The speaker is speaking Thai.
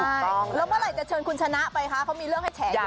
ใช่แล้วเมื่อไหร่จะเชิญคุณชนะไปคะเขามีเรื่องให้แฉอยู่